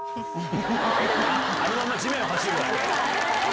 あのまま地面を走るだけ？